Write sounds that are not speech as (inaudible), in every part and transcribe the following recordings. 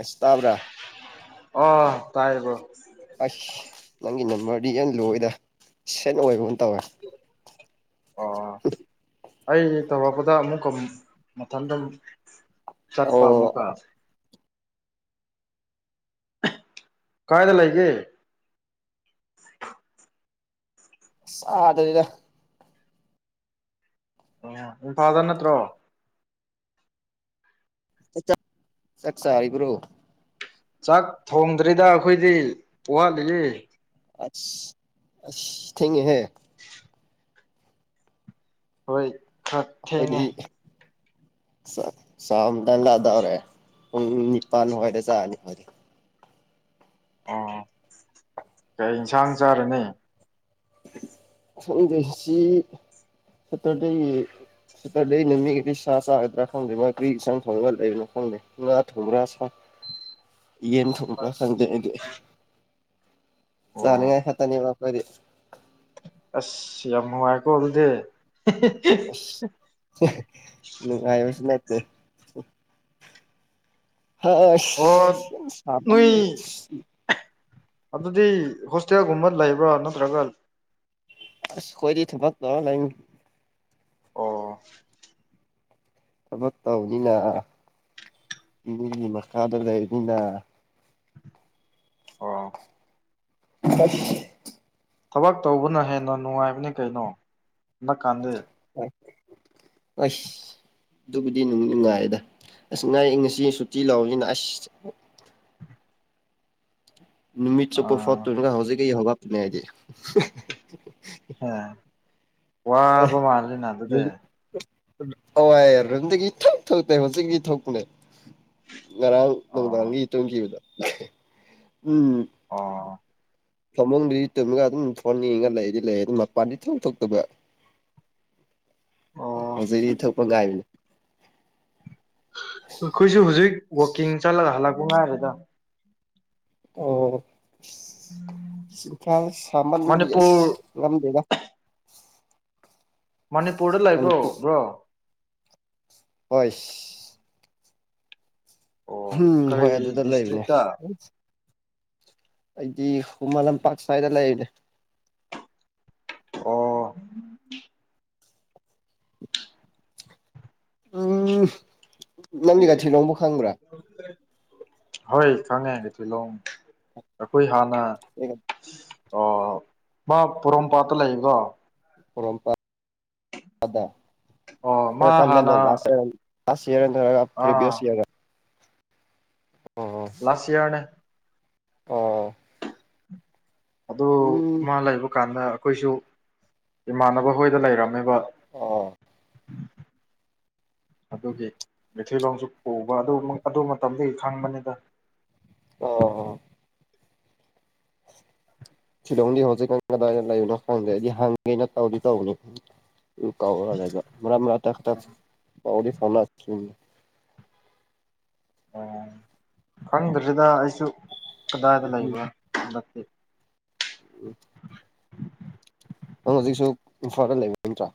ꯑꯦꯁꯇꯥꯕ꯭ꯔꯥ ꯑ ꯇꯥꯏꯌꯦ ꯕꯔꯣ ꯑꯁ ꯅꯪꯒꯤ ꯅꯝꯕꯔꯗꯤ ꯌꯥꯝ ꯂꯣꯏꯗ ꯁꯦꯟ ꯑꯣꯏꯕ ꯇꯋꯦ ꯑꯣ ꯎꯝ ꯑꯩ ꯇꯧꯔꯛꯄꯗ ꯑꯃꯨꯛꯀ ꯃꯊꯟꯗꯝ ꯆꯠꯄ ꯑꯣ ꯃꯨꯀꯥ ꯀꯥꯏꯗ ꯂꯩꯒꯦ ꯑꯁ ꯑꯗꯅꯤꯗ ꯑꯣ ꯏꯝꯐꯥꯜꯗ ꯅꯠꯇ꯭ꯔꯣ ꯆꯛ ꯆꯥꯔꯤꯕꯔꯣ ꯆꯥꯛ ꯊꯣꯡꯗ꯭ꯔꯤꯗ ꯑꯈꯣꯏꯗꯤ ꯋꯥꯠꯂꯤꯌꯦ ꯑꯁ ꯑꯁ ꯊꯦꯡꯉꯤꯍꯦ ꯍꯣꯏ ꯈꯔ ꯊꯦꯡꯉꯦ ꯁꯛ ꯁꯝ ꯇꯟꯅꯗꯧꯔꯦ ꯄꯨꯡ ꯅꯤꯄꯥꯟ ꯋꯥꯏꯗ ꯆꯥꯅꯤ ꯈꯣꯏꯗꯤ ꯑꯣ ꯀꯩ ꯏꯟꯁꯥꯡ ꯆꯥꯔꯅꯤ ꯁꯗꯦꯁꯤ ꯁꯠꯇꯔꯗꯦꯒꯤ ꯁꯇꯔꯗꯦ ꯅꯨꯃꯤꯒꯤꯗꯤ ꯁꯥ ꯆꯥꯒꯗ꯭ꯔꯥ ꯈꯪꯗꯦ ꯃꯥ ꯀꯔꯤ ꯏꯆꯪ ꯊꯣꯡꯉꯒ ꯂꯩꯕꯅꯣ ꯈꯪꯗꯦ ꯉꯥ ꯊꯣꯡꯕ꯭ꯔꯥ ꯁꯥ ꯌꯦꯟ ꯊꯣꯡꯕ ꯈꯪꯗꯦ ꯑꯩꯗꯨꯦ ꯑꯣ ꯆꯅꯤꯉꯥꯏ ꯈꯇꯅꯦꯕ ꯈꯣꯏꯗꯤ ꯑꯁ ꯌꯥꯝ ꯍꯤꯋꯦꯀꯣ ꯑꯗꯨꯗꯤ ꯑꯁ ꯊꯤ ꯅꯨꯪꯉꯥꯏꯕꯁꯨ ꯅꯠꯇꯦ ꯍ ꯑꯣ ꯑꯁ ꯅꯣꯏ (unintelligible) ꯑꯗꯨꯗꯤ ꯍꯣꯁꯇꯦꯜꯒꯨꯝꯕ ꯂꯩꯕ꯭ꯔꯥ ꯅꯠꯇ꯭ꯔꯒ ꯑꯁ ꯈꯣꯏꯗꯤ ꯊꯕꯛ ꯇꯧꯔ ꯂꯩꯝꯅꯤ ꯑꯣ ꯊꯕꯛ ꯇꯧꯅꯤꯅ ꯃꯤꯒꯤ ꯃꯈꯥꯗ ꯂꯩꯝꯅꯤꯅ ꯑꯣ ꯍꯥꯏꯁ ꯊꯕꯛ ꯇꯧꯕꯅ ꯍꯦꯟꯅ ꯅꯨꯡꯉꯥꯏꯕꯅꯤ ꯀꯩꯅꯣ ꯅꯛꯀꯥꯟꯗꯤ ꯑꯁ ꯑꯗꯨꯕꯨꯗꯤ ꯅꯨꯡ ꯅꯨꯡꯉꯥꯏꯗ ꯑꯁ ꯉꯥꯏ ꯉꯁꯤ ꯁꯨꯇꯤ ꯂꯥꯎꯅꯤꯅ ꯑꯁ ꯅꯨꯃꯤꯠ ꯆꯨꯞꯄ ꯑꯥ ꯐꯥꯎꯠꯇꯨꯅꯒ ꯍꯧꯖꯤꯛꯀꯤ ꯍꯧꯒꯞꯄꯅꯦ ꯑꯩꯗꯤ ꯍ ꯋꯥꯕ ꯃꯥꯜꯂꯤꯅ ꯑꯗꯨꯗ ꯑꯣꯏꯔꯝꯗꯒꯤ ꯊꯨꯛ ꯊꯣꯛꯇꯦ ꯍꯧꯖꯤꯛꯀꯤ ꯊꯣꯛꯄꯅꯦ ꯉꯔꯥꯡ ꯑꯣ ꯅꯨꯡꯗꯥꯡꯒꯤ ꯇꯨꯝꯈꯤꯕꯗꯣ ꯎꯝ ꯑꯣ ꯐꯃꯨꯡꯗꯤ ꯇꯨꯝꯒ ꯑꯗꯨꯝ ꯐꯣꯟ ꯅꯤꯡꯉꯒ ꯂꯩꯗꯤ ꯂꯩ ꯑꯗꯨꯝ ꯃꯄꯥꯟꯗꯤ ꯊꯣꯛ ꯊꯣꯛꯇꯕ ꯑꯣ ꯍꯧꯖꯤꯗꯤ ꯏ ꯊꯣꯛꯄꯒꯥꯏꯅ ꯑꯈꯣꯏꯁꯨ ꯍꯨꯖꯤꯛ ꯋꯥꯛꯀꯤꯡ ꯆꯠꯂꯒ ꯍꯜꯂꯛꯄ ꯉꯥꯏꯔꯤꯗ ꯑꯣ ꯁꯤꯟꯊꯥ ꯁꯥꯃꯟꯕꯒꯤ ꯑꯁ ꯃꯅꯤꯄꯨꯔ ꯉꯝꯗꯦꯗ ꯃꯅꯤꯄꯨꯔꯗ ꯂꯩꯕ꯭ꯔꯣ ꯕ꯭ꯔꯣ ꯍꯣꯏꯁ ꯑꯣ ꯍꯨꯝ ꯀꯔꯤ ꯍꯣꯏ ꯑꯗꯨꯗ ꯂꯩꯕꯅꯦ ꯗꯤꯁꯇ꯭ꯔꯤꯛꯇ ꯑꯩꯗꯤ ꯍꯨꯃ ꯂꯝꯄꯥꯛꯥ ꯁ꯭ꯋꯥꯏꯗ ꯂꯩꯅꯦ ꯑꯣ ꯎꯝ ꯅꯪꯗꯤꯒ ꯊꯤꯂꯣꯡꯕ ꯈꯪꯕ꯭ꯔꯥ ꯍꯣꯏ ꯈꯪꯉꯦ ꯑꯩꯊꯤꯂꯣꯡ ꯑꯩꯈꯣꯏ ꯍꯥꯟꯅ ꯑꯣ ꯃꯥ ꯄꯣꯔꯣꯝꯄꯥꯠꯇ ꯂꯩꯕ꯭ꯔꯣ ꯄꯣꯔꯣꯝꯄꯥꯠꯇ ꯑꯣ ꯃꯥ ꯈꯔ ꯀꯟꯅ ꯅꯣ ꯍꯥꯟꯅ ꯂꯥꯁ ꯑꯣꯢꯅ ꯂꯥꯁ ꯏꯌꯥꯔꯗꯔꯥ ꯑꯥ ꯄ꯭ꯔꯤꯚꯤꯌꯁ ꯏꯌꯥꯔꯗ ꯂꯥꯁ ꯏꯌꯥꯔꯅꯦ ꯑꯣ ꯑꯗꯨ ꯎꯝ ꯃꯥ ꯂꯩꯕ ꯀꯥꯟꯗ ꯑꯩꯈꯣꯏꯁꯨ ꯏꯃꯥꯟꯅꯕ ꯍꯣꯏꯗ ꯂꯩꯔꯝꯃꯦꯕ ꯑꯣ ꯑꯗꯨꯒꯤ ꯃꯩꯊꯤꯂꯣꯡꯁꯨ ꯄꯨꯕ ꯑꯗꯨ ꯑꯗꯨ ꯃꯇꯝꯗꯨꯒꯤ ꯈꯪꯕꯅꯤꯗ ꯑꯣ ꯁꯤꯂꯣꯡꯗꯤ ꯍꯧꯖꯤꯛ ꯀ ꯀꯗꯥꯏꯗ ꯂꯩꯕꯅꯣ ꯈꯪꯗꯦ ꯑꯩꯗꯤ ꯍꯪꯒꯦꯅ ꯇꯧꯗꯤ ꯇꯧꯕꯅꯤ ꯑꯗꯨ ꯇꯧꯔꯣ ꯑꯗꯩꯩꯗ ꯃꯔꯛ ꯃꯔꯛꯇ ꯈꯛꯇ ꯄꯥꯎꯗꯤ ꯐꯥꯎꯅꯈꯤꯕꯅꯤ ꯑꯣ ꯈꯪꯗ꯭ꯔꯦꯗ ꯑꯩꯁꯨ ꯀꯗꯥꯏꯗ ꯂꯩꯕ ꯎꯝ ꯅꯪ ꯍꯧꯖꯤꯛꯁꯨ ꯏꯝꯐꯥꯜꯗ ꯂꯩꯕ ꯅꯠꯇ꯭ꯔꯥ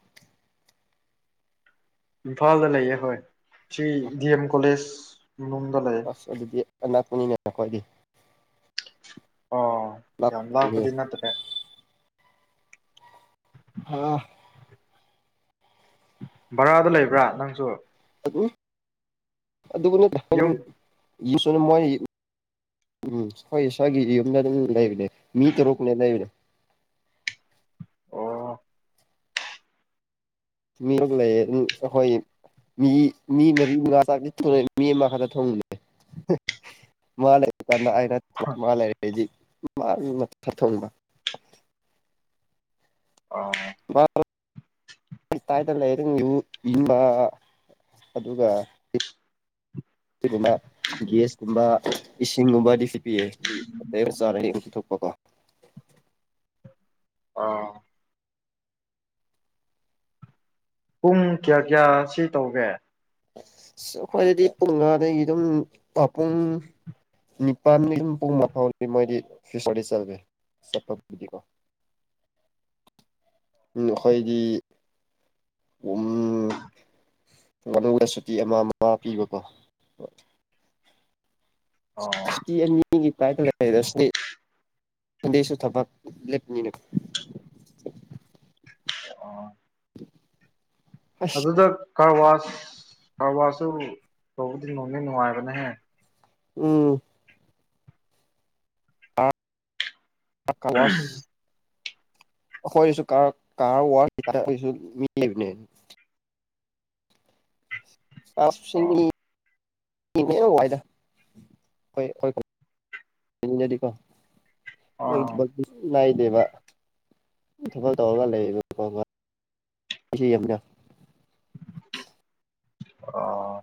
ꯏꯝꯐꯥꯜꯗ ꯂꯩꯌꯦ ꯍꯣꯏ ꯁꯤ ꯗꯦꯝ ꯀꯣꯂꯦꯖ ꯃꯅꯨꯡꯗ ꯂꯩꯌꯦ ꯑꯥꯅꯛꯄꯅꯤꯅꯦ ꯅꯈꯣꯏꯗꯤ ꯑꯣ ꯌꯥꯝ ꯂꯥꯞꯄꯅꯦ ꯂꯥꯞꯄꯗꯤ ꯅꯠꯇ꯭ꯔꯦ ꯑ ꯚꯔꯥꯗ ꯂꯩꯕ꯭ꯔꯥ ꯅꯪꯁꯨ (inaudible) ꯌꯨꯝ ꯎꯝ ꯍꯣꯏ ꯁ꯭ꯋꯥꯏꯒꯤꯗꯤ ꯑꯗꯨꯅ ꯑꯗꯨꯝ ꯂꯩꯕꯅꯦ ꯃꯤ ꯇꯔꯨꯛꯅꯦ ꯂꯩꯥꯕꯅꯦ (inaudible) ꯑꯣ ꯃꯤ ꯂꯩꯌꯦ ꯑꯗꯨꯝ ꯑꯩꯈꯣꯏ ꯃꯤ ꯃꯤ ꯃꯔꯤ ꯃꯉꯥ ꯆꯥꯛꯁꯦ ꯊꯣꯡꯉꯦ ꯃꯤ ꯑꯃ ꯍꯥꯟꯅ ꯊꯣꯡꯉꯦ ꯃꯥꯅꯦ ꯀꯅꯥꯏꯔ ꯃꯥ ꯂꯩꯔꯗꯤ ꯃꯥꯅ ꯈꯛ ꯊꯣꯡꯕ ꯑꯣ ꯃꯥꯅ ꯑꯩ ꯀꯥꯏꯗꯅ ꯂꯩꯔꯤꯉꯨ ꯏꯟꯕ ꯑꯗꯨꯒ ꯁꯤꯒꯨꯝꯕ ꯒꯦꯁꯀꯨꯝꯕ ꯏꯁꯤꯡꯒꯨꯝꯕꯗꯤ ꯐꯤ ꯄꯤꯌꯦ ꯔꯥꯏꯁꯨ ꯔꯥꯏꯟ ꯊꯣꯛꯄꯀꯣ ꯑꯣ ꯄꯨꯡ ꯀꯌꯥ ꯀꯌꯥ ꯁꯤ ꯇꯧꯒꯦ ꯑꯁ ꯑꯩꯈꯣꯏꯗꯗꯤ ꯄꯨꯡ ꯃꯉꯥꯗꯒꯤ ꯑꯗꯨꯝ ꯄꯥꯎ ꯅꯤꯄꯥꯜꯗꯒꯤ ꯑꯗꯨꯝ ꯄꯨꯡ ꯃꯥꯐꯥꯎꯗꯤ ꯃꯣꯏꯗꯤ ꯐꯤꯁꯔꯤ ꯆꯠꯂꯦ ꯆꯠꯄꯕꯨꯗꯤꯀꯣ ꯑꯩꯈꯣꯏꯒꯤ ꯎꯝ ꯃꯗꯨꯅ ꯁꯨꯇꯤ ꯑꯃ ꯑꯃ ꯄꯤꯕꯀꯣ ꯑꯣ ꯁꯨꯇꯤ ꯑꯅꯤ ꯃꯤꯒꯤ ꯄꯥꯏꯗ ꯂꯩꯔꯁꯤꯗꯤ ꯑꯗꯨꯁꯨ ꯊꯕꯛ ꯂꯦꯞꯄꯅꯤꯅ (inaudible) ꯑꯣ ꯑꯁ ꯑꯗꯨꯗ ꯀꯔꯕꯥꯔꯖꯨ ꯀꯔꯕꯥꯔꯁꯨ ꯇꯧꯕꯗꯤ ꯅꯨꯡꯗꯤ ꯅꯨꯪꯉꯥꯏꯕꯅꯦꯍꯦ ꯎꯝ ꯀꯥꯋꯥꯁ ꯑꯈꯣꯏꯁꯨ ꯀꯥꯔꯋꯥꯁ ꯀꯤꯗ ꯑꯈꯣꯏꯖꯨ ꯃꯤ ꯂꯩꯕꯅꯦ ꯑꯁ ꯏꯁꯤꯡꯒꯤ ꯑꯣ ꯋꯥꯏꯗ ꯑꯣ ꯍꯣꯏ (unintelligible) ꯗꯦꯕ ꯊꯕꯛ ꯇꯧꯔꯒ (unintelligible) (unintelligible) ꯑꯥ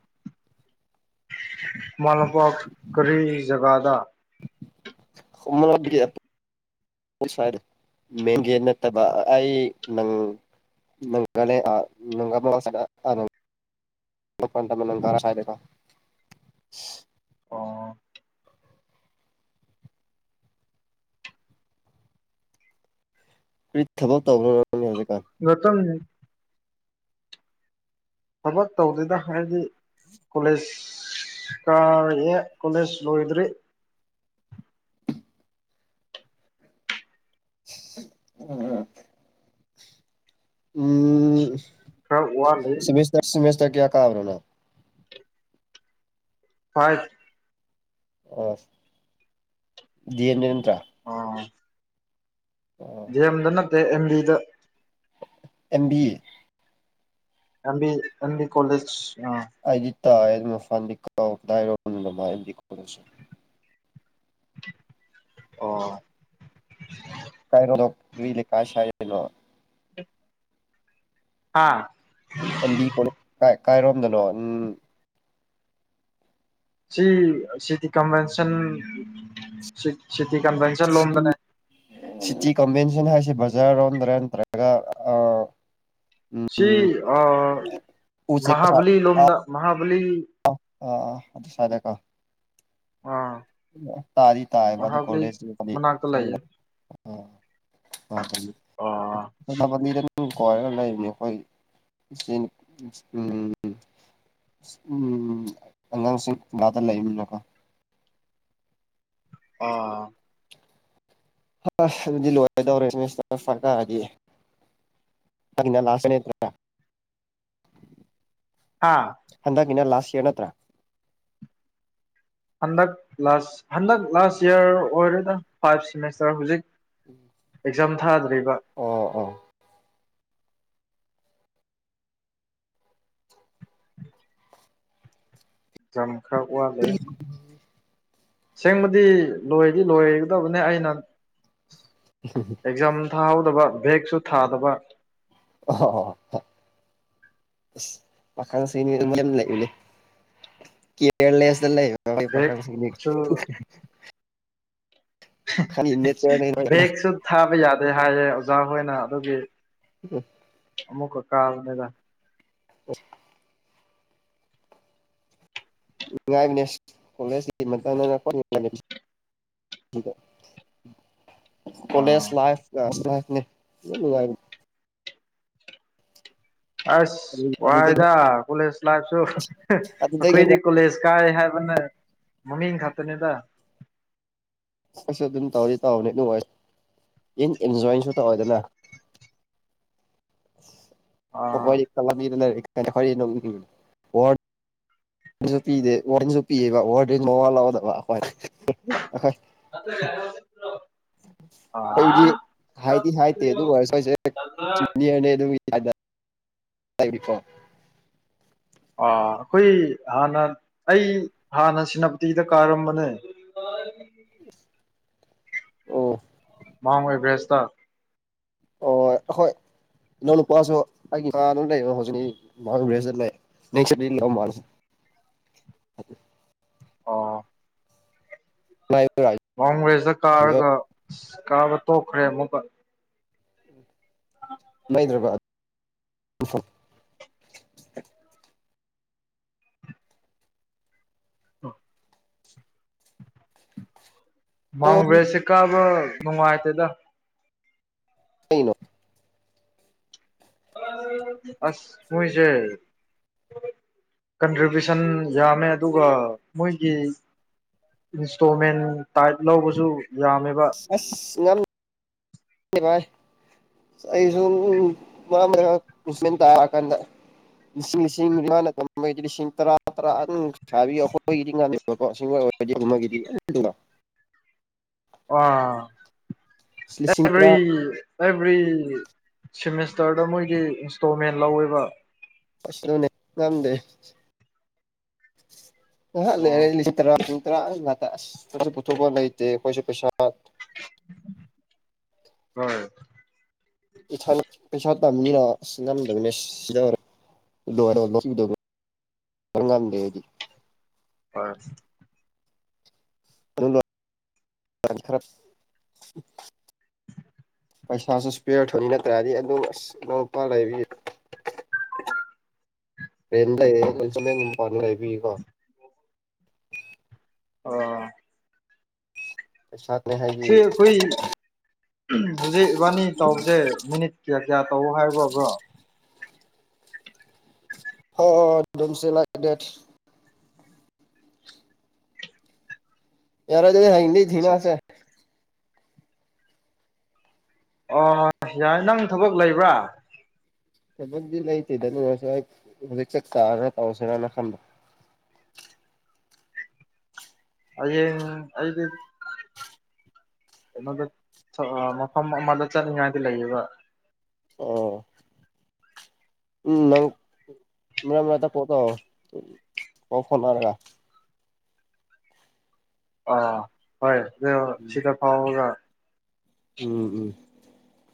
ꯈꯨꯃꯂꯝꯄꯥꯛ ꯀꯔꯤ ꯖꯒꯥꯗꯥ꯫ (unintelligible) ꯃꯦꯟ ꯒꯦꯠ ꯅꯠꯇꯕ ꯑꯩ ꯅꯪ ꯅꯪꯒ ꯅꯦ ꯑ ꯅꯪ (unintelligible) (unintelligible) ꯑꯣ ꯀꯔꯤ ꯊꯕꯛ ꯇꯧꯕ꯭ꯔꯣ ꯅꯪ꯫ ꯍꯧꯖꯤꯛꯀꯥꯟ ꯅꯇꯝꯅꯤ꯫ ꯊꯕꯛ ꯇꯧꯗꯦꯗ ꯍꯥꯏꯗꯤ ꯀꯣꯂꯦꯖ ꯀꯥꯔꯛꯑꯦ ꯀꯣꯂꯦꯖ ꯂꯣꯏꯗ꯭ꯔꯤ꯫ (unintelligible) ꯎꯝ ꯈꯔ ꯋꯥꯠꯂꯩ꯫ ꯁꯤꯃꯤꯁꯇꯔ (unintelligible) ꯀꯌꯥ ꯀꯥꯕ꯭ꯔꯣ ꯅꯪ꯫ ꯐꯥꯏꯐ꯫ ꯗꯑꯦꯝ ꯗ ꯅꯠꯇ꯭ꯔꯥ꯫ ꯑꯣ ꯗꯑꯦꯝꯗ ꯅꯠꯇꯦ ꯑꯦꯝ ꯕꯤꯗ꯫ M B. M B M B college ꯑ꯫ (unintelligible) ꯑꯣ꯫ (unintelligible) (inaudible) ꯍꯥꯥ ꯑꯦꯝ ꯕꯤ ꯀꯣꯂꯦꯖꯀꯥꯢ ꯀꯥꯏꯔꯣꯝꯗꯅꯣ ꯎꯝ ꯁꯤ ꯁꯤꯇꯤ ꯀꯟꯚꯦꯟꯁꯟ ꯁꯤ ꯁꯤ ꯁꯤꯇꯤ ꯀꯟꯚꯦꯟꯁꯟ ꯂꯣꯝꯗꯅꯦ꯫ (unintelligible) ꯍꯥꯏꯖꯤ ꯕꯖꯥꯔꯔꯣꯝꯗ꯭ꯔꯥ ꯅꯠꯇ꯭ꯔꯒ ꯑ ꯁꯤ ꯎꯝ ꯑ ꯎꯆꯦꯛ ꯃꯥꯍꯕꯂꯤ ꯂꯣꯝꯗ ꯃꯍꯥꯕꯂꯤ ꯑ ꯑ ꯑꯗꯨ ꯁꯥꯏꯇꯀꯣ꯫ ꯑꯥ ꯇꯥꯗꯤ ꯇꯥꯏꯌꯦꯕ ꯑꯗꯨ ꯃꯍꯥꯕꯂꯤ ꯀꯣꯂꯦꯖꯗꯤ (unintelligible) ꯃꯅꯥꯛꯇ ꯂꯩꯌꯦ ꯃꯍꯥꯕꯂꯤ ꯑꯥ (unintelligible) (unintelligible) ꯀꯣꯏꯔꯒ ꯂꯩꯕꯅꯤ ꯑꯩꯈꯣꯏꯒꯤ (unintelligible) ꯎꯝ ꯑꯉꯥꯡꯁꯤꯡ (unintelligible) ꯂꯩꯕꯅꯤꯅꯀꯣ꯫ ꯑ (unintelligible) ꯑꯗꯨꯗꯤ ꯂꯣꯏꯔꯗꯧꯔꯦ ꯁꯤꯃꯤꯁꯇꯔ ꯐꯥꯏꯚ ꯀꯥꯔꯗꯤ꯫ ꯍꯥ (unintelligible) ꯍꯟꯗꯛꯀꯤꯅ ꯂꯥꯁ ꯏꯌꯥꯔ ꯅꯠꯇ꯭ꯔꯥ꯫ ꯍꯟꯗꯛ ꯂꯥꯁ ꯍꯟꯗꯛ ꯂꯥꯁ ꯏꯌꯥꯔ ꯑꯣꯏꯔꯦꯗ ꯐꯥꯏꯚ ꯁꯤꯃꯤꯁꯇꯔ ꯍꯧꯖꯤꯛ ꯑꯦꯛꯖꯥꯝ ꯊꯥꯗ꯭ꯔꯤꯕ꯫ ꯑꯣ ꯑꯣ ꯆꯝ (unintelligible) ꯑꯁꯦꯡꯕꯗꯤ ꯂꯣꯏꯗꯤ ꯂꯣꯏꯒꯗꯕꯅꯦ ꯑꯩꯅ ꯑꯦꯛꯖꯥꯝ (unintelligible) ꯊꯥꯍꯧꯗꯕ ꯕꯦꯛꯁꯨ ꯊꯥꯗꯕ꯫ ꯑꯍꯣ ꯍꯣꯍꯣ ꯍꯣ꯫ ꯥ ꯑꯁ ꯄꯥꯈꯪꯁꯤꯗꯤ (unintelligible) ꯂꯩꯅꯦ ꯀꯤꯖꯥꯔꯂꯦꯁꯇ ꯂꯩ (unintelligible) ꯕꯦꯛ ꯄꯥꯈꯡꯁꯤꯡꯗꯤ ꯁꯨ (unintelligible) ꯅꯦꯆꯔꯅ ꯕꯦꯒꯁꯨ ꯊꯥꯕ ꯌꯥꯗꯦ ꯍꯥꯏꯌꯦꯦ ꯑꯣꯖꯥ ꯍꯣꯏꯅ ꯑꯗꯨꯒꯤ ꯎꯝ ꯀꯥꯜꯃꯦꯗ ꯑ ꯎꯥꯏꯅꯦ ꯀꯂꯦꯖ (unintelligible) ꯍꯗ (inaudible) ꯀꯣꯂꯦꯖ ꯑꯥ ꯂꯥꯏꯐ ꯂ ꯑꯗꯨ ꯑꯁ ꯑꯗꯨꯗꯒꯤ ꯋꯥꯏꯗ ꯀꯣꯂꯦꯖ ꯂꯥꯏꯐꯁꯨ ꯑꯁ ꯑꯗꯨꯗꯒꯤ ꯑꯩꯈꯣꯏꯗꯤ ꯍꯦꯟꯅ ꯀꯣꯂꯦꯖ ꯀꯥꯏ ꯍꯥꯏꯕꯅ ꯃꯃꯤꯡ ꯈꯛꯇꯅꯤꯗ ꯀꯁꯨ ꯑꯗꯨꯝ ꯇꯧꯗꯤ ꯇꯧꯅꯤ ꯅꯨꯡꯉ ꯏꯟ ꯑꯦꯟꯖꯣꯏꯟꯁꯨ ꯇꯧꯋꯦꯗꯅ ꯑꯥ (inaudible) ꯀ (unintelligible) ꯋꯥꯁꯨ ꯄꯤꯗꯦ ꯋꯥꯔꯟꯁꯨ ꯄꯤꯑꯕ ꯋꯥꯔ ꯗ ꯃ ꯋꯥ ꯂꯧꯗꯕ ꯑꯩꯈꯣꯏ ꯑ ꯌꯥ (unintelligible) ꯑꯩꯣꯏꯕꯨꯗꯤ ꯍꯥꯏꯗꯤ ꯍꯥꯏꯇꯦ ꯑꯗꯨ ꯑꯣꯏꯔ ꯁꯦꯅꯤꯌꯔꯅꯦ ꯣ (inaudible) ꯑ ꯑꯩꯈꯣꯏ ꯍꯥꯟꯅ ꯑꯩ ꯍꯥꯟꯅ ꯁꯦꯅꯥꯄꯇꯤꯗ ꯀꯥꯔꯝꯕꯅꯦ ꯑ ꯑꯣ ꯃꯥꯡꯣꯏ ꯕ꯭ꯔꯦꯁꯇ ꯑꯣ ꯍꯣꯏ ꯏꯄꯥ ꯃꯥ ꯑꯗꯨ ꯑꯣ ꯀꯣꯡꯒ꯭ꯔꯦꯁꯇ ꯀꯥꯔꯒ ꯀꯥꯕ ꯇꯣꯛꯈ꯭ꯔꯦ ꯑꯃꯨꯛꯀ ꯍꯩꯗ꯭ꯔꯕꯥꯗ ꯑ ꯃꯥꯎꯟ ꯕ꯭ꯔꯦꯖꯁꯦ ꯀꯥꯕ ꯅꯨꯡꯉꯥꯏꯇꯦꯗ ꯑꯩꯅꯣ ꯑꯁ ꯍꯣꯏꯁꯦ ꯀꯟꯇ꯭ꯔꯤꯕ꯭ꯌꯨꯁꯟ ꯌꯥꯝꯃꯦ ꯑꯗꯨꯒ ꯃꯣꯏꯒꯤ ꯏꯟꯁꯇꯣꯜꯃꯦꯟ ꯇꯥꯏꯞ ꯂꯧꯕꯁꯨ ꯌꯥꯝꯃꯦꯕ ꯑꯁ ꯉ ꯑꯩꯁꯨ ꯃꯥꯃꯦꯟ ꯇꯥꯔꯛꯑꯀꯥꯟꯗ ꯂꯤꯁꯤꯡ ꯂꯤꯁꯤꯡꯅꯤꯃꯥꯅ ꯇꯩ ꯂꯤꯁꯤꯡ ꯇꯔꯥ ꯇꯔꯥ ꯁꯥꯕꯤꯣ ꯑꯩꯈꯣꯏꯒꯤꯗꯤ ꯉꯥꯃꯤꯕꯀꯣ ꯁꯤꯡꯣꯏ ꯑꯣꯏꯔꯗꯤꯗꯤ ꯑ ꯂꯤꯁꯤꯡ ꯇꯔꯥ ꯑꯦꯚ꯭ꯔꯤ ꯑꯦꯚ꯭ꯔꯤ ꯁꯤꯦꯃꯦꯁꯇꯔꯗ ꯃꯣꯏꯒꯤ ꯏꯟꯁꯇꯣꯜꯃꯦꯟ ꯂꯧꯋꯦꯕ ꯁ ꯑꯗꯨꯅꯦ ꯉꯝꯗꯦ ꯍ ꯂꯩꯦꯔ ꯑꯣ ꯂꯤꯁꯤ ꯇꯔ ꯄꯨꯊꯣꯛꯄ ꯂꯩꯇꯦ ꯑꯩꯈꯣꯏꯁꯨ ꯄꯩꯁꯥ ꯍꯣꯏ ꯅꯤꯅ ꯁꯤ ꯉꯝꯗꯕꯅꯦ ꯁꯤ ꯏꯔꯉꯥꯝ ꯊꯦꯗꯤ ꯍꯣꯏ ꯈꯔ ꯄꯩꯁꯥꯁꯨ ꯏꯁꯄꯤꯦꯌꯔ ꯊ ꯊꯣꯛꯅꯤ ꯅꯠꯇ꯭ꯔꯔꯗꯤ ꯑꯗꯨ ꯑꯁ ꯂꯣꯄꯥ ꯂꯩꯔꯤ ꯔꯦꯟ ꯂꯩ ꯆ ꯏꯝꯄ ꯉ ꯍꯥꯏꯕꯤꯀꯣ ꯑ ꯑꯣ ꯑꯩꯩ ꯁꯥꯅꯦ ꯍꯥꯏꯒꯤ ꯁꯤ ꯑꯩꯈꯣꯏ ꯍꯧꯖꯤꯛ ꯏꯕꯥꯅꯤ ꯇꯧꯕꯁꯦ ꯃꯤꯅꯤꯠ ꯀꯌꯥ ꯀꯌꯥ ꯇꯧ ꯍꯥꯏꯕ꯭ꯔꯕ꯭ꯔꯣ ꯍ ꯗꯝꯁꯤ ꯂꯥꯛ ꯗꯦꯠ ꯌꯥꯔ ꯑꯗꯨꯗꯤ ꯍꯥꯏꯗꯤ ꯊꯅꯁꯦ ꯑ ꯌꯥꯏ ꯅꯪ ꯊꯕꯛ ꯂꯩꯕ꯭ꯔꯥ ꯆꯃꯗꯤ ꯂꯩꯇꯗ ꯍꯧꯖꯤꯛ ꯆ ꯇꯅ ꯇꯁꯦꯅꯅ ꯈꯗ (unintelligible) ꯑꯦꯗ ꯗ ꯃꯐꯝ ꯑꯃꯗ ꯆꯠꯅꯤꯡꯉꯥꯏꯗꯤ ꯂꯩꯌꯦꯕ ꯑꯣ ꯎꯝ ꯅꯪ ꯏ ꯀꯣꯠꯇꯣ ꯀ ꯐꯣꯟꯅꯔꯒ ꯑ ꯍꯣꯏ ꯁꯤꯗ ꯐꯥꯎꯒ ꯎꯝ ꯎꯝ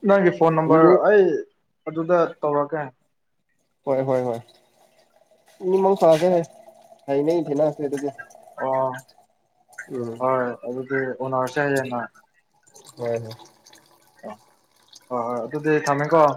ꯅꯪꯒꯤ ꯐꯣꯟ ꯅꯝꯕꯔ ꯑꯗꯨꯗꯤ ꯑꯩ ꯑꯗꯨꯗ ꯇꯧꯔꯛꯀꯦ ꯍꯣꯏ ꯍꯣꯏ ꯍꯣꯏ ꯏꯃꯧ ꯁꯥꯒꯦ ꯍꯥꯏ ꯍꯩꯅꯩ ꯊꯦꯡꯅꯁꯦ ꯑꯗꯨꯗꯤ ꯑ ꯎꯝ ꯍꯣꯏ ꯑꯗꯨꯗꯤ ꯎꯅꯔꯁꯦ ꯍꯥꯏꯅ ꯍꯣꯏ ꯍꯣꯏ ꯑ ꯍꯣꯏ ꯍꯣꯏ ꯑꯗꯨ ꯑꯗꯨꯗꯤ ꯊꯃꯦꯀꯣ